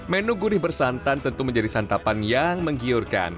menu gurih bersantan tentu menjadi santapan yang menggiurkan